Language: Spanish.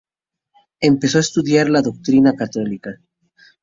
Empezó a estudiar la doctrina católica.